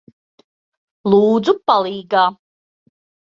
Lūdzu, palīgā!